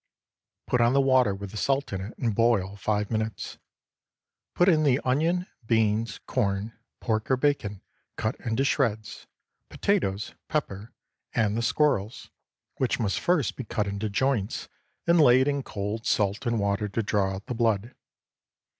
Put on the water with the salt in it, and boil five minutes. Put in the onion, beans, corn, pork or bacon cut into shreds, potatoes, pepper, and the squirrels, which must first be cut into joints and laid in cold salt and water to draw out the blood.